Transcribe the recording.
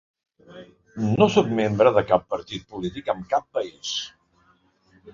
No sóc membre de cap partit polític en cap país.